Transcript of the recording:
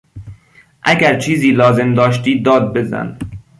اگر چیزی لازم داشتی داد بزن